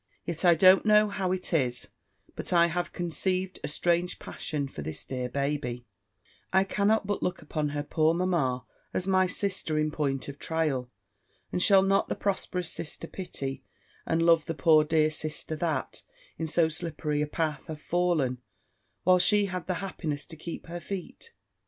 Yet, I don't know how it is, but I have conceived a strange passion for this dear baby; I cannot but look upon her poor mamma as my sister in point of trial; and shall not the prosperous sister pity and love the poor dear sister that, in so slippery a path, has fallen, while she had the happiness to keep her feet?